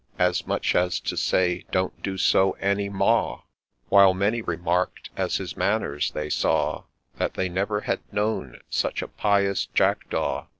As much as to say, * Don't do so any more !' While many remark'd, as his manners they saw, That they ' never had known such a pious Jackdaw